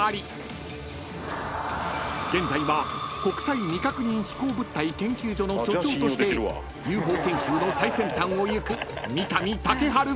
［現在は国際未確認飛行物体研究所の所長としてＵＦＯ研究の最先端をいく］